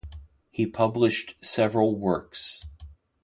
He published several works.